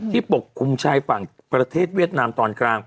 ปกคลุมชายฝั่งประเทศเวียดนามตอนกลาง